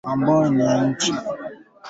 Acha kuchayana maibwe